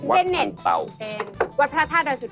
เจนเน็ตเป็นวัดพระธาตุดิงสุธิ